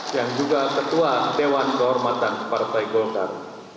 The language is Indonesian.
yang juga ketua dewan kehormatan partai golkar